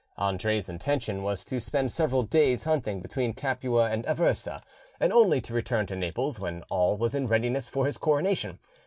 Andre's intention was to spend several days hunting between Capua and Aversa, and only to return to Naples when all was in readiness for his coronation.